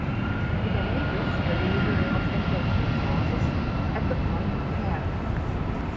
It enables the delivery of evidence resources at the point of care.